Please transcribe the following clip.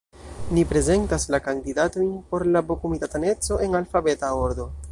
Ni prezentas la kandidatojn por la B-komitataneco en alfabeta ordo.